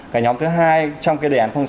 cái nhóm thứ hai trong cái đề án sáu